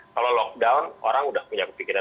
kalau lockdown orang udah punya pikiran